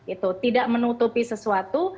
itu tidak menutupi sesuatu